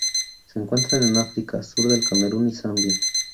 Se encuentran en África: sur del Camerún y Zambia.